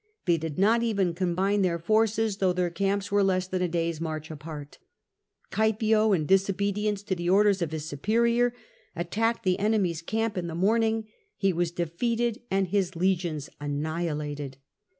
They did not even combine their forces, though their camps were less than a day's march apart. Caepio, in disobedience to the orders of his superior, attacked the enemy's camp in the morning : he was defeated and his legions annihilated.